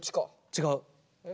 違う。